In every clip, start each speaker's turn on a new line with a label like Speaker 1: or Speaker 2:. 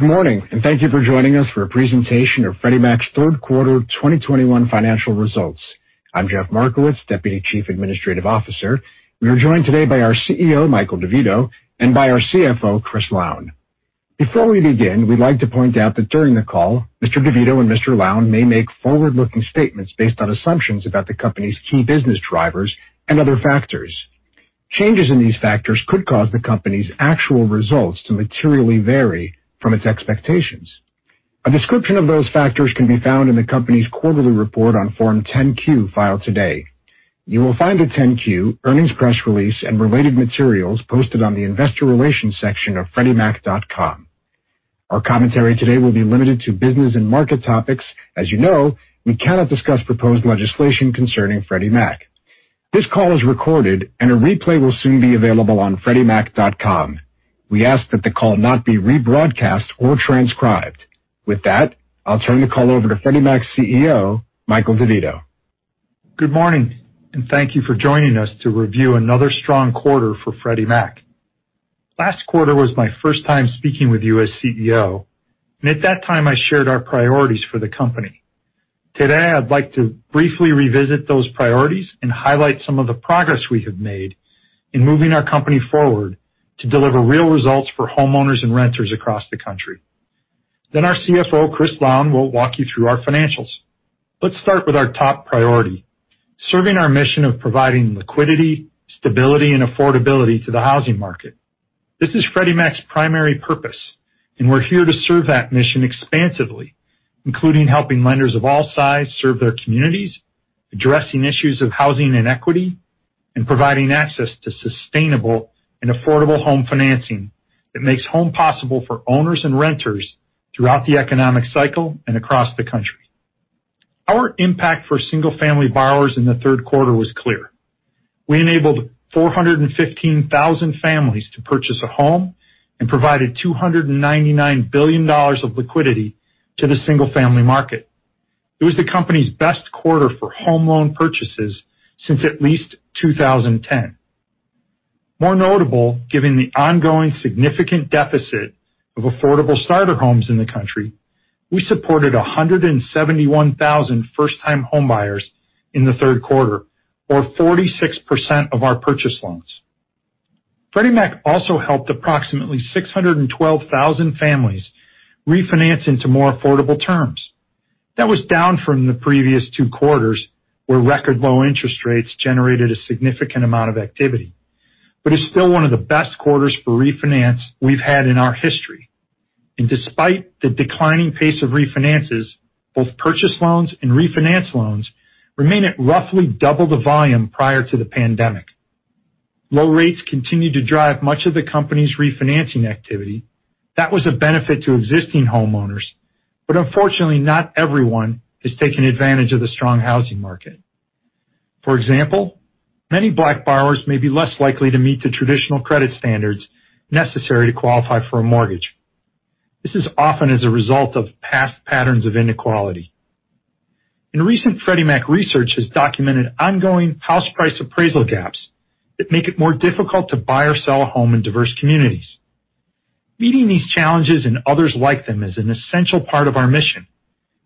Speaker 1: Good morning, and thank you for joining us for a presentation of Freddie Mac's third quarter 2021 financial results. I'm Jeff Markowitz, Deputy Chief Administrative Officer. We are joined today by our CEO, Michael DeVito, and by our CFO, Chris Lown. Before we begin, we'd like to point out that during the call, Mr. DeVito and Mr. Lown may make forward-looking statements based on assumptions about the company's key business drivers and other factors. Changes in these factors could cause the company's actual results to materially vary from its expectations. A description of those factors can be found in the company's quarterly report on Form 10-Q filed today. You will find the 10-Q, earnings press release, and related materials posted on the investor relations section of freddiemac.com. Our commentary today will be limited to business and market topics. As you know, we cannot discuss proposed legislation concerning Freddie Mac. This call is recorded and a replay will soon be available on freddiemac.com. We ask that the call not be rebroadcast or transcribed. With that, I'll turn the call over to Freddie Mac's CEO, Michael DeVito.
Speaker 2: Good morning, and thank you for joining us to review another strong quarter for Freddie Mac. Last quarter was my first time speaking with you as CEO. At that time, I shared our priorities for the company. Today, I'd like to briefly revisit those priorities and highlight some of the progress we have made in moving our company forward to deliver real results for homeowners and renters across the country. Then our CFO, Chris Lown, will walk you through our financials. Let's start with our top priority, serving our mission of providing liquidity, stability, and affordability to the housing market. This is Freddie Mac's primary purpose, and we're here to serve that mission expansively, including helping lenders of all sizes serve their communities, addressing issues of housing inequity, and providing access to sustainable and affordable home financing that makes home possible for owners and renters throughout the economic cycle and across the country. Our impact for single-family borrowers in the third quarter was clear. We enabled 415,000 families to purchase a home and provided $299 billion of liquidity to the single-family market. It was the company's best quarter for home loan purchases since at least 2010. More notable, given the ongoing significant deficit of affordable starter homes in the country, we supported 171,000 first-time homebuyers in the third quarter, or 46% of our purchase loans. Freddie Mac also helped approximately 612,000 families refinance into more affordable terms. That was down from the previous two quarters, where record low interest rates generated a significant amount of activity. It's still one of the best quarters for refinance we've had in our history. Despite the declining pace of refinances, both purchase loans and refinance loans remain at roughly double the volume prior to the pandemic. Low rates continue to drive much of the company's refinancing activity. That was a benefit to existing homeowners, but unfortunately, not everyone has taken advantage of the strong housing market. For example, many Black borrowers may be less likely to meet the traditional credit standards necessary to qualify for a mortgage. This is often as a result of past patterns of inequality. Recent Freddie Mac research has documented ongoing house price appraisal gaps that make it more difficult to buy or sell a home in diverse communities. Meeting these challenges and others like them is an essential part of our mission,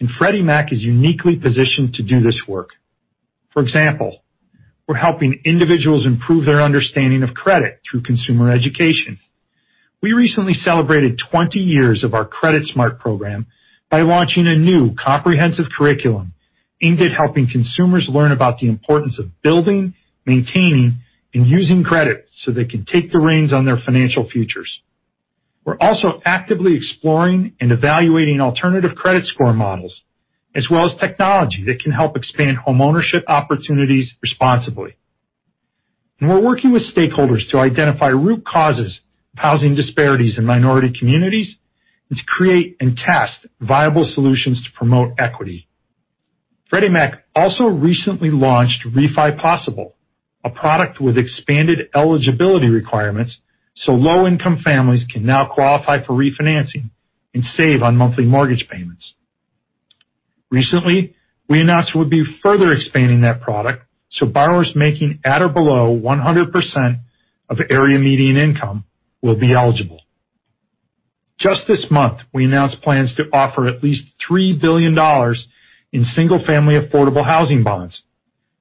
Speaker 2: and Freddie Mac is uniquely positioned to do this work. For example, we're helping individuals improve their understanding of credit through consumer education. We recently celebrated 20 years of our CreditSmart program by launching a new comprehensive curriculum aimed at helping consumers learn about the importance of building, maintaining, and using credit so they can take the reins on their financial futures. We're also actively exploring and evaluating alternative credit score models, as well as technology that can help expand homeownership opportunities responsibly. We're working with stakeholders to identify root causes of housing disparities in minority communities and to create and test viable solutions to promote equity. Freddie Mac also recently launched Refi Possible, a product with expanded eligibility requirements so low-income families can now qualify for refinancing and save on monthly mortgage payments. Recently, we announced we'll be further expanding that product so borrowers making at or below 100% of area median income will be eligible. Just this month, we announced plans to offer at least $3 billion in Single-Family affordable housing bonds.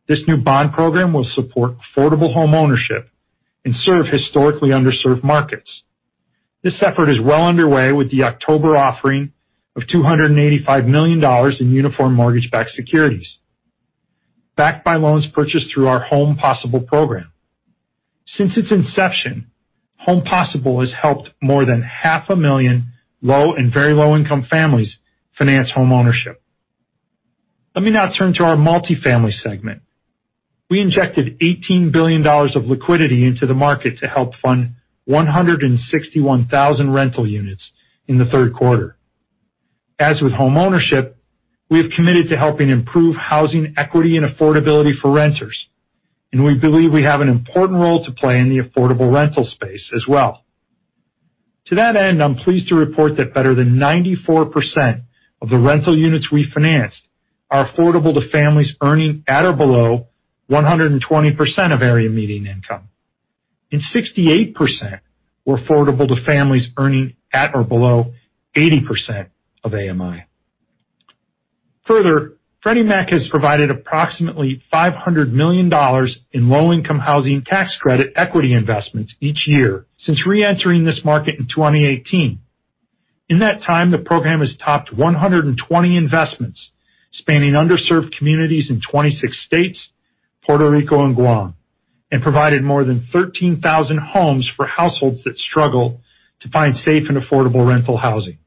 Speaker 2: This new bond program will support affordable homeownership and serve historically underserved markets. This effort is well underway with the October offering of $285 million in uniform mortgage-backed securities, backed by loans purchased through our Home Possible program. Since its inception, Home Possible has helped more than 500,000 low and very low-income families finance homeownership. Let me now turn to our multifamily segment. We injected $18 billion of liquidity into the market to help fund 161,000 rental units in the third quarter. As with homeownership, we have committed to helping improve housing equity and affordability for renters, and we believe we have an important role to play in the affordable rental space as well. To that end, I'm pleased to report that better than 94% of the rental units we financed are affordable to families earning at or below 120% of area median income. 68% were affordable to families earning at or below 80% of AMI. Further, Freddie Mac has provided approximately $500 million in low-income housing tax credit equity investments each year since re-entering this market in 2018. In that time, the program has topped 120 investments, spanning underserved communities in 26 states, Puerto Rico and Guam, and provided more than 13,000 homes for households that struggle to find safe and affordable rental housing.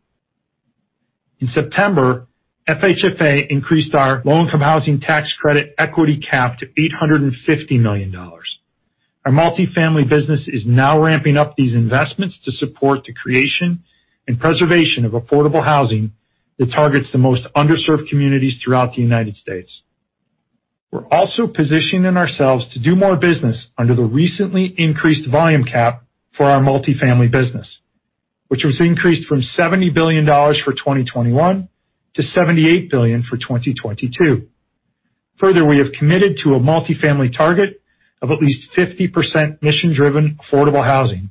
Speaker 2: In September, FHFA increased our low-income housing tax credit equity cap to $850 million. Our multifamily business is now ramping up these investments to support the creation and preservation of affordable housing that targets the most underserved communities throughout the United States. We're also positioning ourselves to do more business under the recently increased volume cap for our multifamily business, which was increased from $70 billion for 2021 to $78 billion for 2022. Further, we have committed to a multifamily target of at least 50% mission-driven affordable housing,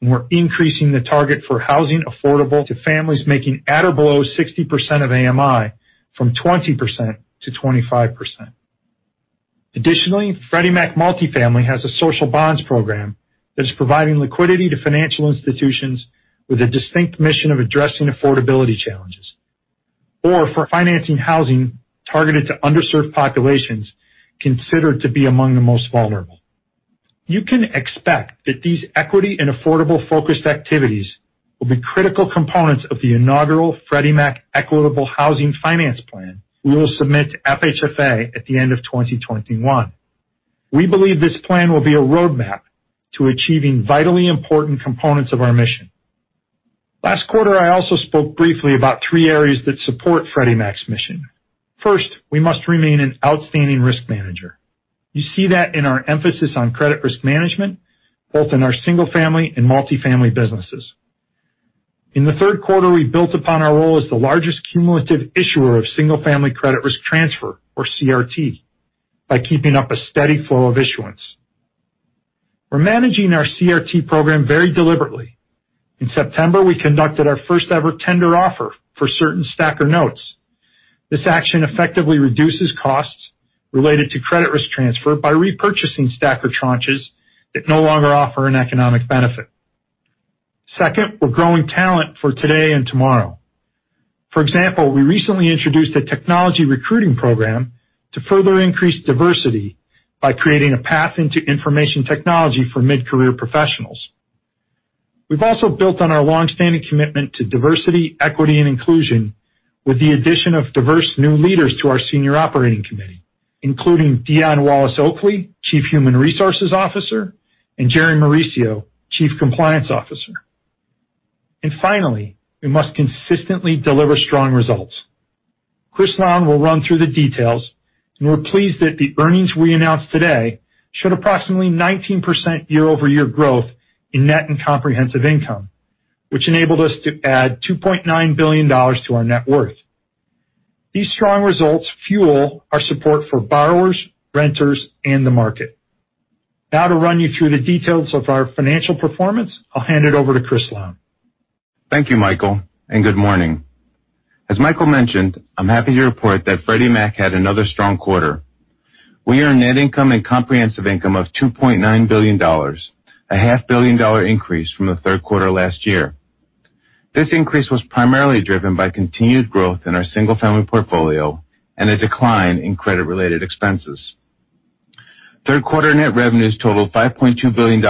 Speaker 2: and we're increasing the target for housing affordable to families making at or below 60% of AMI from 20%-25%. Additionally, Freddie Mac Multifamily has a Social Bonds program that is providing liquidity to financial institutions with a distinct mission of addressing affordability challenges, or for financing housing targeted to underserved populations considered to be among the most vulnerable. You can expect that these equity and affordable focused activities will be critical components of the inaugural Freddie Mac Equitable Housing Finance Plan we will submit to FHFA at the end of 2021. We believe this plan will be a roadmap to achieving vitally important components of our mission. Last quarter, I also spoke briefly about three areas that support Freddie Mac's mission. First, we must remain an outstanding risk manager. You see that in our emphasis on credit risk management, both in our Single-Family and Multifamily businesses. In the third quarter, we built upon our role as the largest cumulative issuer of single-family credit risk transfer, or CRT, by keeping up a steady flow of issuance. We're managing our CRT program very deliberately. In September, we conducted our first ever tender offer for certain STACR notes. This action effectively reduces costs related to credit risk transfer by repurchasing STACR tranches that no longer offer an economic benefit. Second, we're growing talent for today and tomorrow. For example, we recently introduced a technology recruiting program to further increase diversity by creating a path into information technology for mid-career professionals. We've also built on our long-standing commitment to diversity, equity, and inclusion with the addition of diverse new leaders to our senior operating committee, including Dionne Wallace-Oakley, Chief Human Resources Officer, and Jerry Mauricio, Chief Compliance Officer. Finally, we must consistently deliver strong results. Chris Lown will run through the details, and we're pleased that the earnings we announced today showed approximately 19% year-over-year growth in net and comprehensive income, which enabled us to add $2.9 billion to our net worth. These strong results fuel our support for borrowers, renters, and the market. Now, to run you through the details of our financial performance, I'll hand it over to Chris Lown.
Speaker 3: Thank you, Michael, and good morning. As Michael mentioned, I'm happy to report that Freddie Mac had another strong quarter. We earned net income and comprehensive income of $2.9 billion, a half billion dollar increase from the third quarter last year. This increase was primarily driven by continued growth in our Single-Family portfolio and a decline in credit-related expenses. Third quarter net revenues totaled $5.2 billion,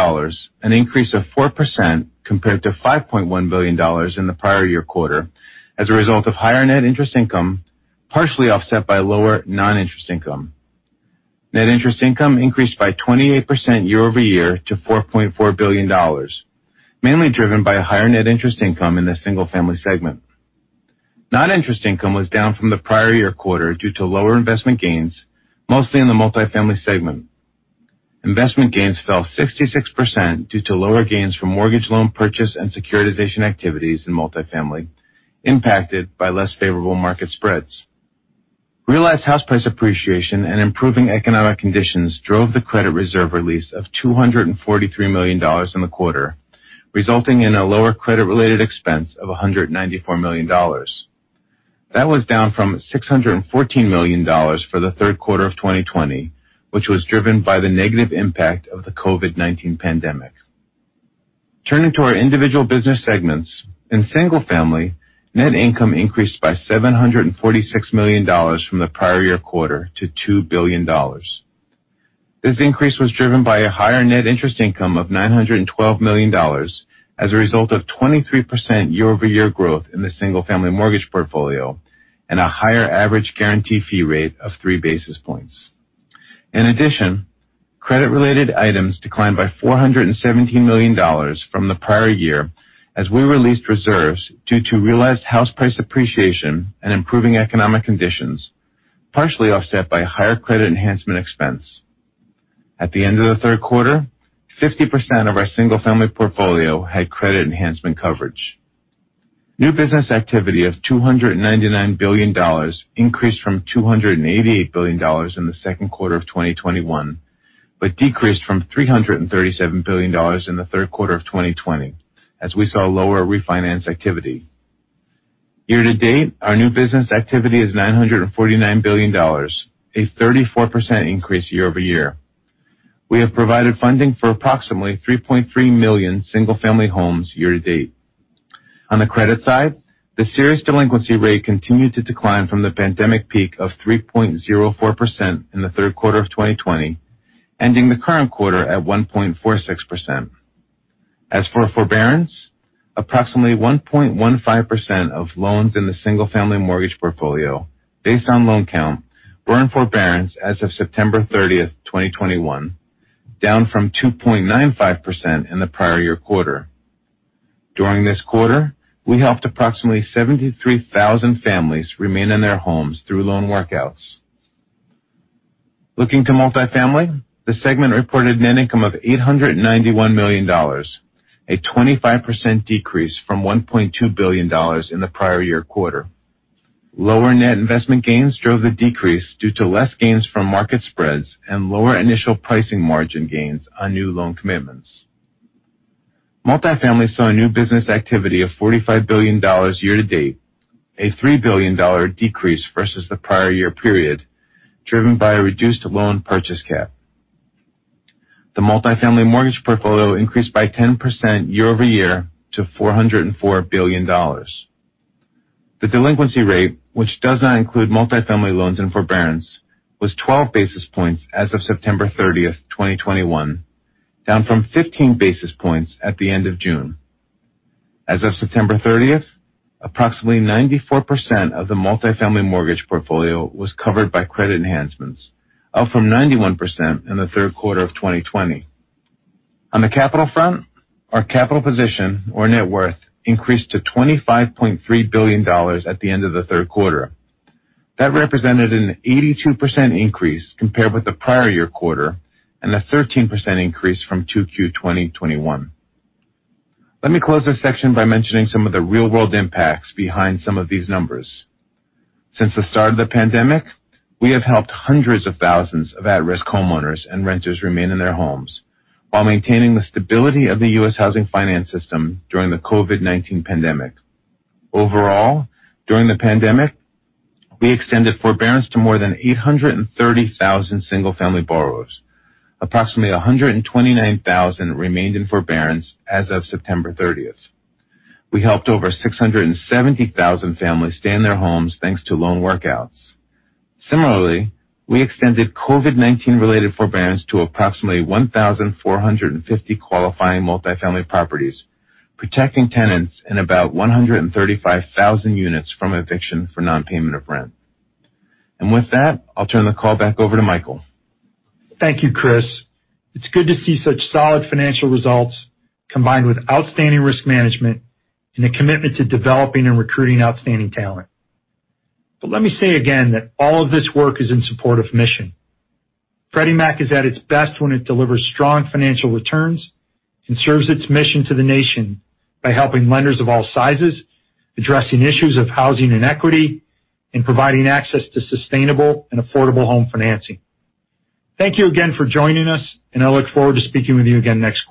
Speaker 3: an increase of 4% compared to $5.1 billion in the prior year quarter as a result of higher net interest income, partially offset by lower non-interest income. Net interest income increased by 28% year-over-year to $4.4 billion, mainly driven by a higher net interest income in the Single-Family segment. Non-interest income was down from the prior year quarter due to lower investment gains, mostly in the Multifamily segment. Investment gains fell 66% due to lower gains from mortgage loan purchase and securitization activities in Multifamily, impacted by less favorable market spreads. Realized house price appreciation and improving economic conditions drove the credit reserve release of $243 million in the quarter, resulting in a lower credit-related expense of $194 million. That was down from $614 million for the third quarter of 2020, which was driven by the negative impact of the COVID-19 pandemic. Turning to our individual business segments, in Single-Family, net income increased by $746 million from the prior year quarter to $2 billion. This increase was driven by a higher net interest income of $912 million as a result of 23% year-over-year growth in the Single-Family mortgage portfolio and a higher average guarantee fee rate of three basis points. In addition, credit-related items declined by $417 million from the prior year as we released reserves due to realized house price appreciation and improving economic conditions, partially offset by higher credit enhancement expense. At the end of the third quarter, 50% of our Single-Family portfolio had credit enhancement coverage. New business activity of $299 billion increased from $288 billion in the second quarter of 2021, but decreased from $337 billion in the third quarter of 2020, as we saw lower refinance activity. Year to date, our new business activity is $949 billion, a 34% increase year-over-year. We have provided funding for approximately 3.3 million single-family homes year to date. On the credit side, the serious delinquency rate continued to decline from the pandemic peak of 3.04% in the third quarter of 2020, ending the current quarter at 1.46%. As for forbearance, approximately 1.15% of loans in the single-family mortgage portfolio based on loan count were in forbearance as of September 30th, 2021, down from 2.95% in the prior year quarter. During this quarter, we helped approximately 73,000 families remain in their homes through loan workouts. Looking to Multifamily, the segment reported net income of $891 million, a 25% decrease from $1.2 billion in the prior year quarter. Lower net investment gains drove the decrease due to less gains from market spreads and lower initial pricing margin gains on new loan commitments. Multifamily saw a new business activity of $45 billion year to date, a $3 billion decrease versus the prior year period, driven by a reduced loan purchase cap. The multifamily mortgage portfolio increased by 10% year-over-year to $404 billion. The delinquency rate, which does not include multifamily loans and forbearance, was 12 basis points as of September 30th, 2021, down from 15 basis points at the end of June. As of September 30th, approximately 94% of the multifamily mortgage portfolio was covered by credit enhancements, up from 91% in the third quarter of 2020. On the capital front, our capital position or net worth increased to $25.3 billion at the end of the third quarter. That represented an 82% increase compared with the prior year quarter and a 13% increase from 2Q 2021. Let me close this section by mentioning some of the real-world impacts behind some of these numbers. Since the start of the pandemic, we have helped hundreds of thousands of at-risk homeowners and renters remain in their homes while maintaining the stability of the U.S. housing finance system during the COVID-19 pandemic. Overall, during the pandemic, we extended forbearance to more than 830,000 single-family borrowers. Approximately 129,000 remained in forbearance as of September 30th. We helped over 670,000 families stay in their homes thanks to loan workouts. Similarly, we extended COVID-19 related forbearance to approximately 1,450 qualifying multifamily properties, protecting tenants in about 135,000 units from eviction for non-payment of rent. With that, I'll turn the call back over to Michael.
Speaker 2: Thank you, Chris. It's good to see such solid financial results combined with outstanding risk management and a commitment to developing and recruiting outstanding talent. Let me say again that all of this work is in support of mission. Freddie Mac is at its best when it delivers strong financial returns and serves its mission to the nation by helping lenders of all sizes, addressing issues of housing inequity, and providing access to sustainable and affordable home financing. Thank you again for joining us, and I look forward to speaking with you again next quarter.